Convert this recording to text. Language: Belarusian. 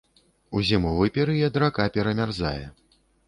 У зімовы перыяд рака перамярзае.